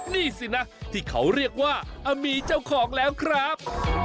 นี่สินะที่เขาเรียกว่าอมีเจ้าของแล้วครับ